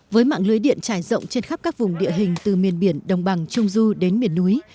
với mạng lưới điện trải rộng trên khắp các vùng địa hình từ miền biển đồng bằng trung du đến miền núi